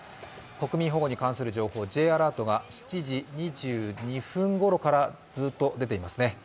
国民保護に関する情報Ｊアラートが７時２２分ごろからずっと出ていますね。